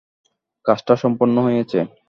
কাজটা সম্পন্ন হয়েছে।